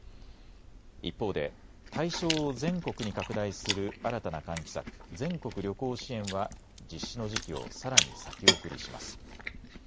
一方で対象を全国に拡大する新たな喚起策、全国旅行支援は実施の時期をさらに先送りします。